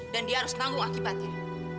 dan dia harus tanggung akibatnya